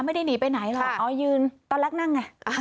ไม่ได้หนีไปไหนหรอกอ๋อยืนตอนแรกนั่งไง